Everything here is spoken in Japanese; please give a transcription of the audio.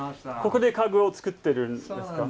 ここで家具を作ってるんですか？